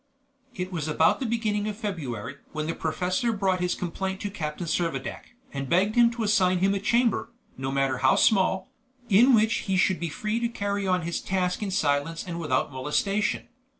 It was about the beginning of February, when the professor brought his complaint to Captain Servadac, and begged him to assign him a chamber, no matter how small, in which he should be free to carry on his task in silence and without molestation.